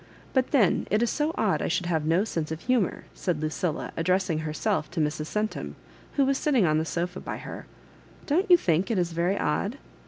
But then it is so odd I should have no sense of humour," said Lucilla, address ing herself to Mrs. Centum, who was sitting on the sofa by her. " Don't you think it is very odd?"